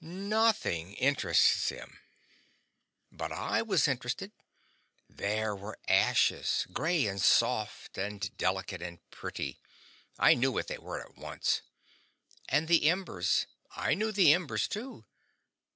NOTHING interests him. But I was interested. There were ashes, gray and soft and delicate and pretty I knew what they were at once. And the embers; I knew the embers, too.